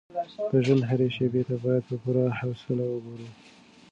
د ژوند هرې شېبې ته باید په پوره حوصله وګورو.